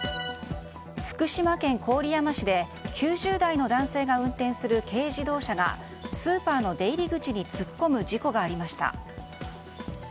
福島県郡山市で９０代の男性が運転する軽自動車がスーパーの出入り口に突っ込む事故がありました。